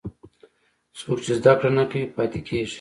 څوک چې زده کړه نه کوي، پاتې کېږي.